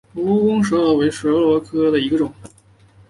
蜈蚣蛇螺为蛇螺科下的一个种。